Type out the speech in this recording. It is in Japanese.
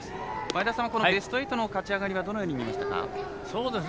前田さんは、ベスト８の勝ち上がりどのように見ましたか。